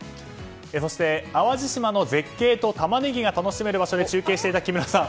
そして、淡路島の絶景とタマネギが楽しめる場所で中継していた木村さん。